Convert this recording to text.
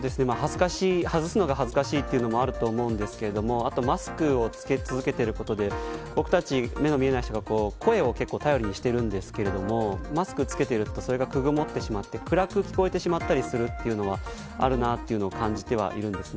外すのが恥ずかしいというのもあると思いますがマスクを着け続けていることで僕たち目の見えない人は声を結構、頼りにしているんですけどマスクを着けているとそれくぐもってしまって暗く聞こえてしまったりするというのはあるなと感じてはいます。